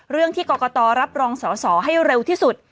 เรื่องที่กรกตรับรองสอสอให้เร็วที่สุด